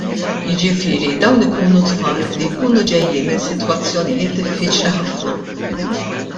Jiġifieri dawn ikunu tfal li jkunu ġejjin minn sitwazzjonijiet diffiċli ħafna.